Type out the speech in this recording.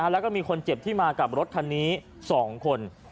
แล้วก็มีคนเจ็บที่มากับรถคันนี้๒คน